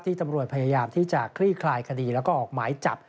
ตำรวจพยายามที่จะคลี่คลายคดีแล้วก็ออกหมายจับ